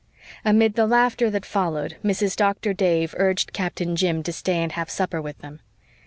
Amid the laughter that followed Mrs. Doctor Dave urged Captain Jim to stay and have supper with them.